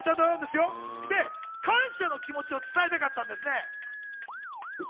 感謝の気持ちを伝えたかったんです。